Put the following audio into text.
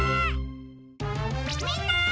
みんな！